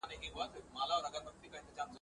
محتسب مړ وي سیوری یې نه وي ..